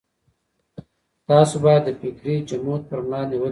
تاسو بايد د فکري جمود پر وړاندې ودرېږئ.